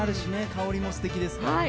香りもすてきです。